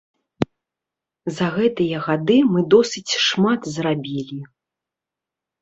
За гэтыя гады мы досыць шмат зрабілі.